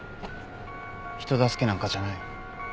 人助けなんかじゃない。